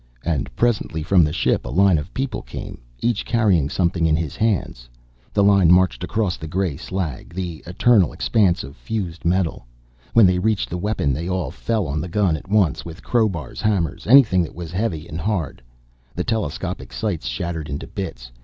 And presently, from the ship, a line of people came, each carrying something in his hands. The line marched across the gray slag, the eternal expanse of fused metal. When they reached the weapon they all fell on the gun at once, with crowbars, hammers, anything that was heavy and hard. The telescopic sights shattered into bits.